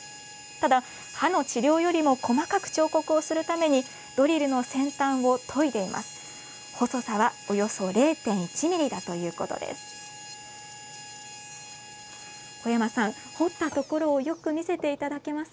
ただ、歯の治療よりも細かく彫刻をするためドリルの先端を研いでいます。